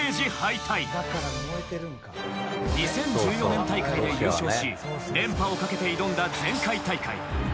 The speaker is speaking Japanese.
２０１４年大会で優勝し連覇をかけて挑んだ前回大会。